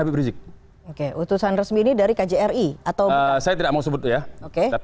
iya tapi saya sebutkan